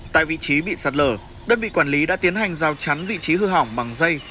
tại vị trí bị sạt lở đơn vị quản lý đã tiến hành giao chắn vị trí hư hỏng bằng dây